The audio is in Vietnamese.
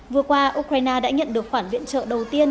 vừa qua ukraine đã nhận được khoản viện trợ đầu tiên